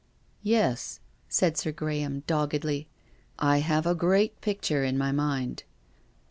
" Yes," said Sir Graham doggedly. I have a great picture in my mind."